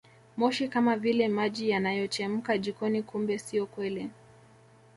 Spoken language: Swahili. Moshi kama vile maji yanayochemka jikoni kumbe sio kweli